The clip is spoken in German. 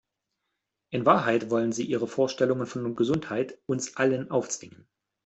In Wahrheit wollen sie ihre Vorstellungen von Gesundheit uns allen aufzwingen.